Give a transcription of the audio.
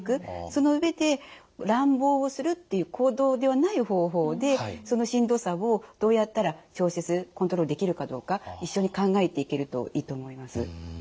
その上で乱暴をするっていう行動ではない方法でそのしんどさをどうやったら調節コントロールできるかどうか一緒に考えていけるといいと思います。